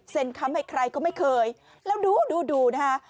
เซ็นค้ำให้ใครก็ไม่เคยแล้วดูนะฮะ